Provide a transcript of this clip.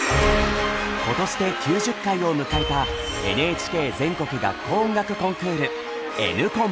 今年で９０回を迎えたＮＨＫ全国学校音楽コンクール「Ｎコン」。